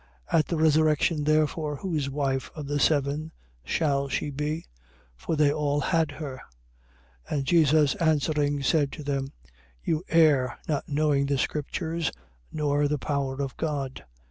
22:28. At the resurrection therefore, whose wife of the seven shall she be? For they all had her. 22:29. And Jesus answering, said to them: You err, not knowing the Scriptures nor the power of God.